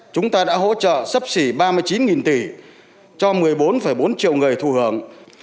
chúng ta đã hỗ trợ sấp xỉ ba mươi chín tỷ cho một mươi bốn bốn triệu người thù hưởng